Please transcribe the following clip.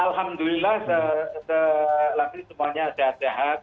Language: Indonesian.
alhamdulillah semuanya sehat sehat